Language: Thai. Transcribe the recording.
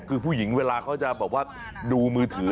คือผู้หญิงเวลาเขาจะแบบว่าดูมือถือ